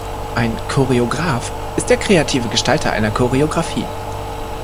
Ein "Choreograf" ist der kreative Gestalter einer Choreografie.